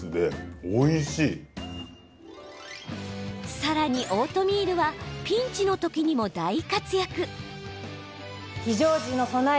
さらに、オートミールはピンチのときにも大活躍。